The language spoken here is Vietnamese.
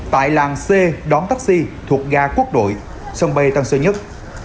tại làng c đón taxi thuộc gà quốc đội sân bay tăng sơ nhất